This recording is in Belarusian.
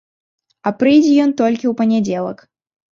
А прыйдзе ён толькі ў панядзелак.